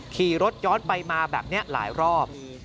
ขี่รถย้อนไปมาแบบนี้หลายรอบ